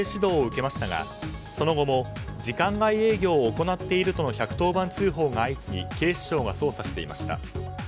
この店は、去年４月に行政指導を受けましたがその後も時間外営業を行っているとの１１０番通報が相次ぎ警視庁が捜査していました。